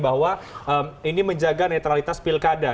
bahwa ini menjaga netralitas pilkada